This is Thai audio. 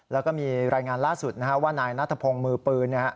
แล้วก็มีรายงานล่าสุดนะฮะว่านายนัทพงศ์มือปืน